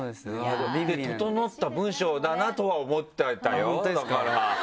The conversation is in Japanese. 整った文章だなとは思ってたよだから。